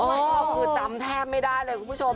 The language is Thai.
คุณผู้ชมคือจำแทบไม่ได้เลยคุณผู้ชม